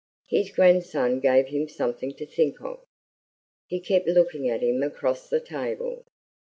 His grandson gave him something to think of. He kept looking at him across the table.